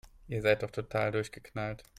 Ihr seid doch total durchgeknallt!